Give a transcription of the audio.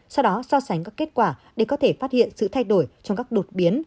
sau đó so sánh các kết quả để có thể phát hiện sự thay đổi trong các đột biến